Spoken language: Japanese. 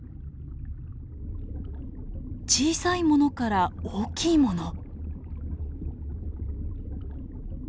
小さいものから大きいもの。